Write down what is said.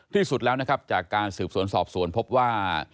ที่สุดแล้วนะครับจากการสืบสวนสอบสวนพบว่า